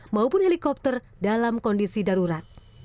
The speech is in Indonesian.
maupun helikopter dalam kondisi darurat